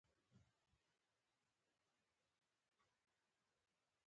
یعنی شکنځل نه کوه